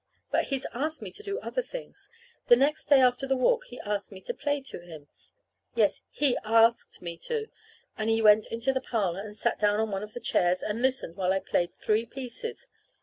But he's asked me to do other things. The next day after the walk he asked me to play to him. Yes, he asked me to; and he went into the parlor and sat down on one of the chairs and listened while I played three pieces.